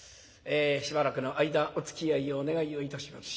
しばらくの間おつきあいをお願いをいたします。